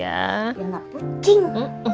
ya mbak kucing